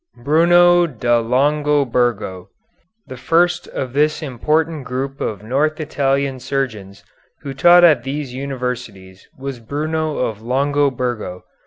BRUNO DA LONGOBURGO The first of this important group of north Italian surgeons who taught at these universities was Bruno of Longoburgo.